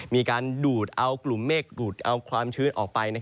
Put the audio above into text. มีการดูดเอากลุ่มเมฆดูดเอาความชื้นออกไป